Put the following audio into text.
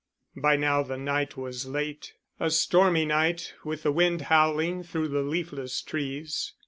By now the night was late, a stormy night with the wind howling through the leafless trees.